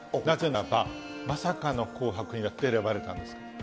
なぜならば、まさかの紅白に選ばれたんです。